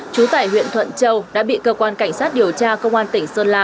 chú tải huyện thuận châu đã bị cơ quan cảnh sát điều tra công an tỉnh sơn la